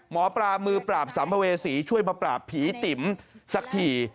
หมอปลามือปราบสัมภเวษีช่วยมาปราบผีติ๋มสักที